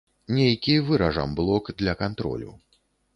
Нейкі выражам блок для кантролю.